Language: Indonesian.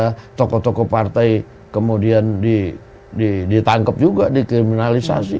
kemudian ada tokoh tokoh partai kemudian ditangkep juga dikriminalisasi